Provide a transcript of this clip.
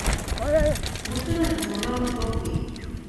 بوټونه د ځوانانو خوښ وي.